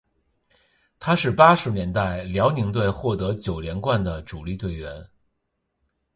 他是八十年代辽宁队获得九连冠的主力队员。